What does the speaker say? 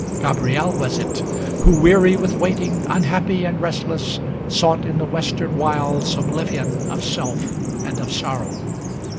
Gabriel was it, who, weary with waiting, unhappy and restless, Sought in the Western wilds oblivion of self and of sorrow.